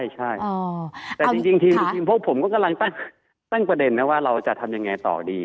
ใช่แต่จริงทีมพวกผมก็กำลังตั้งประเด็นนะว่าเราจะทำยังไงต่อดี